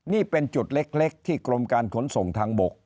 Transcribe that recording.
นี่เป็นจุดเล็กที่กรมการขนส่งทางบก